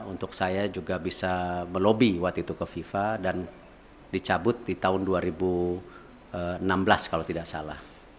untuk saya juga bisa melobi waktu itu ke fifa dan dicabut di tahun dua ribu enam belas kalau tidak salah